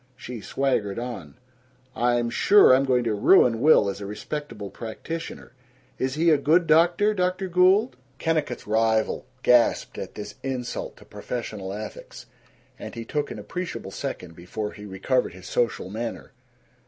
She swaggered on: "I'm sure I'm going to ruin Will as a respectable practitioner Is he a good doctor, Dr. Gould?" Kennicott's rival gasped at this insult to professional ethics, and he took an appreciable second before he recovered his social manner.